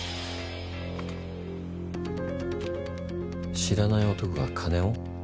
知らない男が金を？